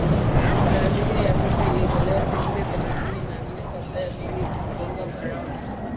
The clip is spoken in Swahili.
taadhali ya mwisho ilitolewa sekunde thelasini na nne kabla ya meli kugonga barafu